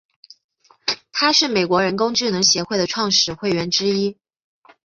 他是美国人工智能协会的创始会员之一。